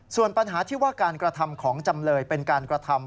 ส่วนปัญหาที่ว่าการกระทำของจำเลยเป็นการกระทำ